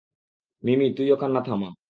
মিমি, তুইও কান্না থামা।